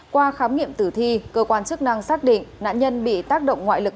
qua khám nghiệm tử thi cơ quan chức năng xác định nạn nhân bị tác động ngoại lực